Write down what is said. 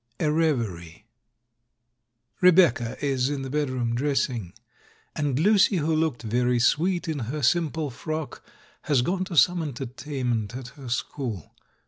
A REVERIE Rebecca is in the bedroom, dressing; and Lucy, who looked very sweet in her simple frock, has gone to some entertainment at her school.